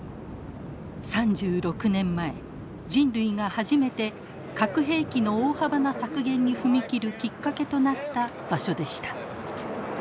３６年前人類が初めて核兵器の大幅な削減に踏み切るきっかけとなった場所でした。